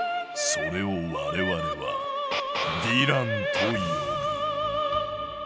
それを我々は「ヴィラン」と呼ぶ。